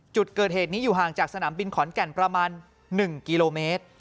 จุดเกิดเหตุนี้อยู่ห่างจากสนามบินขอนแก่นประมาณ๑กิโลเมตร